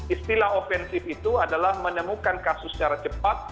istilah ofensif itu adalah menemukan kasus secara cepat